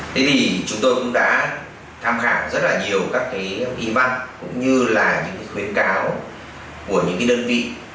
thế thì chúng tôi cũng đã tham khảo rất là nhiều các cái ý văn cũng như là những cái khuyến cáo của những cái đơn vị